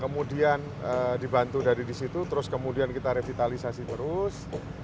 kemudian dibantu dari di situ terus kemudian kita revitalisasi terus